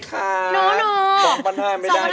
จับมือประคองขอร้องอย่าได้เปลี่ยนไป